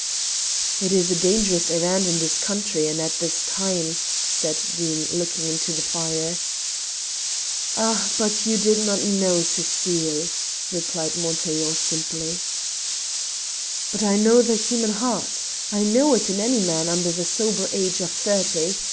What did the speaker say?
"It is a dangerous errand in this country and at this time," said Doom, looking into the fire. "Ah! but you did not know Cecile," replied Montaiglon, simply. "But I know the human heart. I know it in any man under the sober age of thirty.